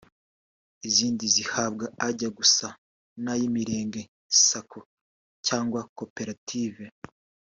izindi zihabwa ajya gusa n’ay’Imirenge Sacco cyangwa koperative